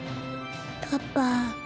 パパ。